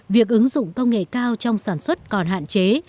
việc ứng dụng công nghệ cao trong sản xuất còn hạn chế